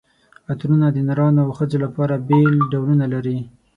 عطرونه د نرانو او ښځو لپاره بېل ډولونه لري.